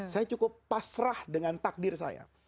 saya cukup pasrah dengan takdir saya